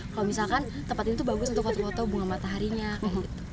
kalau misalkan tempat ini tuh bagus untuk foto foto bunga mataharinya kayak gitu